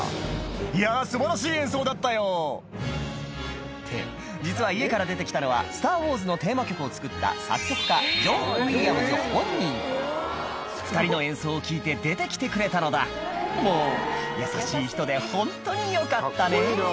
「いやぁ素晴らしい演奏だったよ」って実は家から出て来たのは『スター・ウォーズ』のテーマ曲を作った作曲家ジョン・ウィリアムズ本人２人の演奏を聴いて出て来てくれたのだもう優しい人でホントによかったね！